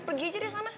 pergi aja deh sama